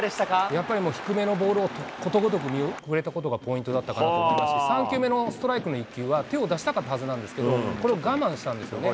やっぱり低めのボールをことごとく見送れたことがポイントだったかなと思いますし、３球目のストライクの１球は手を出したかったはずなんですけど、これを我慢したんですよね。